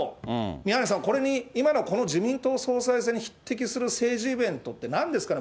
宮根さん、これに、今の自民党総裁選に匹敵する政治イベントってなんですかね。